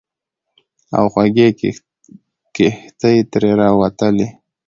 او خوږې کیښتې ترې راووتلې.